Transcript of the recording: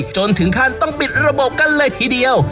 จนถึงขั้นต้องปิดระบบกันเลยทีเดียว